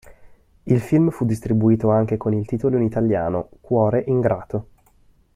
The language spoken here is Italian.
Il film fu distribuito anche con il titolo in italiano, Cuore ingrato.